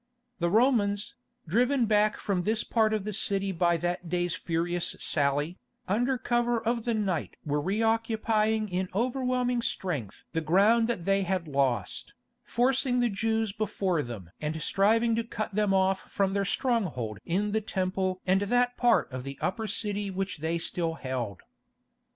The Romans, driven back from this part of the city by that day's furious sally, under cover of the night were re occupying in overwhelming strength the ground that they had lost, forcing the Jews before them and striving to cut them off from their stronghold in the Temple and that part of the Upper City which they still held.